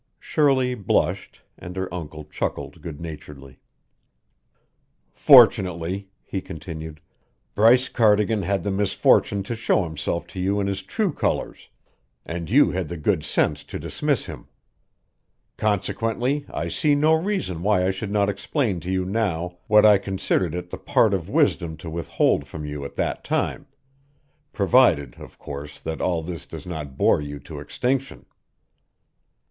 Shirley blushed, and her uncle chuckled good naturedly. "Fortunately," he continued, "Bryce Cardigan had the misfortune to show himself to you in his true colours, and you had the good sense to dismiss him. Consequently I see no reason why I should not explain to you now what I considered it the part of wisdom to withhold from you at that time provided, of course, that all this does not bore you to extinction."